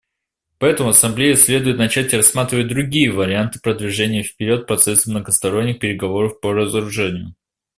Поэтому Ассамблее следует начать рассматривать другие варианты продвижения вперед процесса многосторонних переговоров по разоружению.